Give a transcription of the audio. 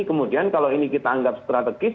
kemudian kalau ini kita anggap strategis